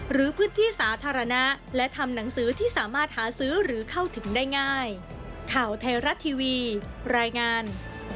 หรือพื้นที่สาธารณะและทำหนังสือที่สามารถหาซื้อหรือเข้าถึงได้ง่าย